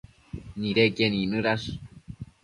nidequien icnëdash